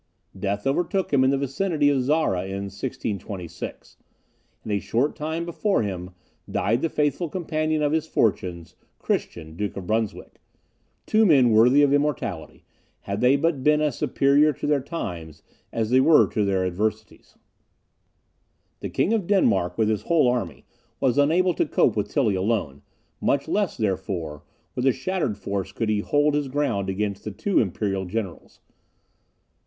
Death overtook him in the vicinity of Zara in 1626, and a short time before him died the faithful companion of his fortunes, Christian, Duke of Brunswick two men worthy of immortality, had they but been as superior to their times as they were to their adversities. The King of Denmark, with his whole army, was unable to cope with Tilly alone; much less, therefore, with a shattered force could he hold his ground against the two imperial generals.